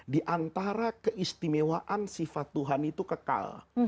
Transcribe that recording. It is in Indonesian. di antara keistimewaan sifat tuhan itu kekal